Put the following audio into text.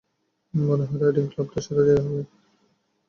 মনে হয় রাইডিং ক্লাবটাই সেরা জায়গা হবে।